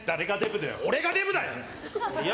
俺がデブだよ！